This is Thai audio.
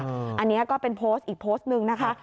อันนี้ก็เป็นโพสต์อีกโพสต์หนึ่งนะคะ